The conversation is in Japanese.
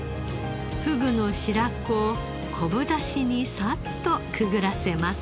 フグの白子を昆布ダシにさっとくぐらせます。